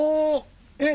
えっ？